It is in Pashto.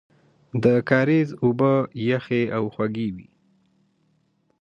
د کاریز اوبه یخې او خوږې وې.